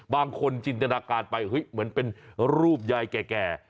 บางคนจินโจรันการณ์ไปเหมือนเป็นรูปใยแก่